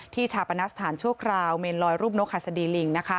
ที่ชาปนัสฐานชั่วคราวเมนรอยรูปนกษัตริย์ลิง